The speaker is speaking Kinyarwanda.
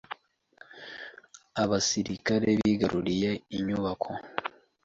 Abasirikare bigaruriye inyubako.